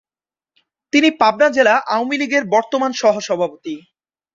তিনি পাবনা জেলা আওয়ামী লীগের বর্তমান সহসভাপতি।